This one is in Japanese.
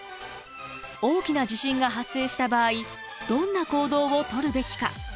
大きな地震が発生した場合どんな行動を取るべきか。